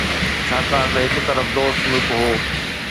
ڇاڪاڻ ته هڪ طرف دوست ملڪ هو.